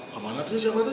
kemana tuh siapa tuh